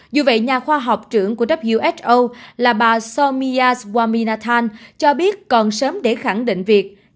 dù vậy nhà khoa học trưởng của wso là bà somiya swaminathan cho biết còn sớm để khẳng định việc